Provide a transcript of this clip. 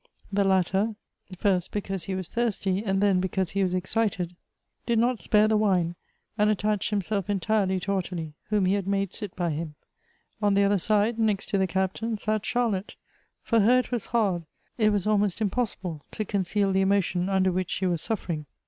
The latter, first because he was thirsty, and then because he was excited, did not spare 96 Goethe's the wine, and attached himself entirely to Ottilie, whom he had made sit by him. On the other side, next to the Captain, sat Charlotte ; for her it was hard, it was almost impossible, to conceal the emotion under which she was Buffering.